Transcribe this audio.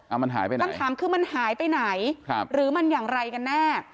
เอามันหายไปไหนคำถามคือมันหายไปไหนครับหรือมันอย่างไรกันแน่